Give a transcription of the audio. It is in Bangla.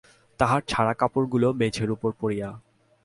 তাহার ছাড়া-কাপড়গুলা মেঝের উপর পড়িয়া।